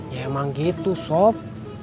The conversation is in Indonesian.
ya emang gitu sob